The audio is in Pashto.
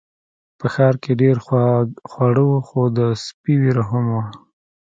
په ښار کې ډیر خواړه وو خو د سپي ویره هم وه.